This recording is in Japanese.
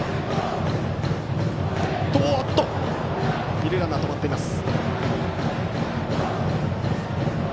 二塁ランナーは止まっています。